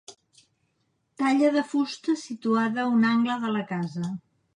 Talla de fusta situada a un angle de la casa.